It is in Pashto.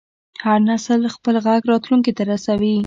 هر نسل خپل غږ راتلونکي ته رسوي.